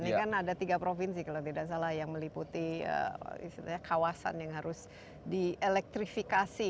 ini kan ada tiga provinsi kalau tidak salah yang meliputi kawasan yang harus dielektrifikasi